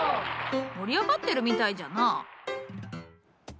盛り上がってるみたいじゃな。